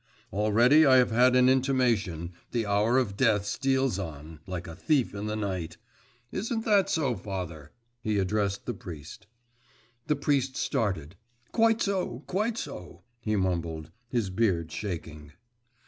… Already I have had an intimation, the hour of death steals on, like a thief in the night.… Isn't that so, father?' he addressed the priest. The priest started. 'Quite so, quite so,' he mumbled, his beard shaking.